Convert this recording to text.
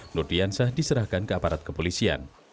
nur diansyah diserahkan ke aparat kepolisian